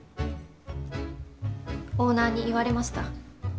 オーナーに言われました。